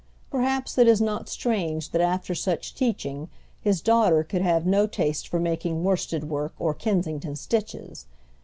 Perhaps it is not strange that after such teaching, his daughter could have no taste for making worsted work or Kensington stitches.